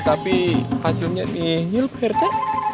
tapi hasilnya nihil pak rete